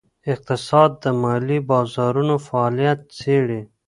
اقتصاد د مالي بازارونو فعالیت څیړي.